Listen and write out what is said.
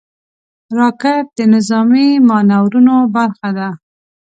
راکټ د نظامي مانورونو برخه ده